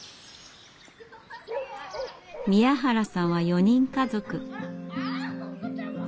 宮原さんは４人家族。